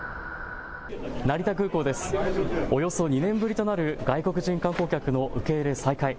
およそ２年ぶりとなる外国人観光客の受け入れ再開。